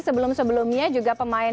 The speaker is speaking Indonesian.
sebelum sebelumnya juga pemain